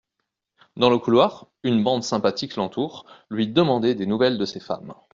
Dans un couloir, une bande sympathique l'entoure, lui demandé des nouvelles de ses femmes.